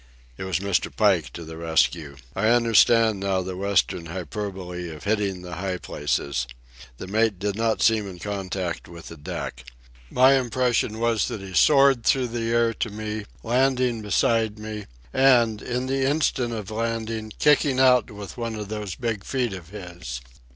It was Mr. Pike to the rescue. I understand now the Western hyperbole of "hitting the high places." The mate did not seem in contact with the deck. My impression was that he soared through the air to me, landing beside me, and, in the instant of landing, kicking out with one of those big feet of his.